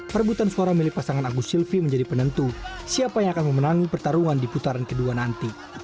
perebutan suara milik pasangan agus silvi menjadi penentu siapa yang akan memenangi pertarungan di putaran kedua nanti